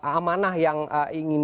amanah yang ingin